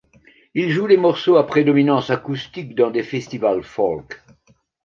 Il joue des morceaux à prédominance acoustique dans des festivals folk.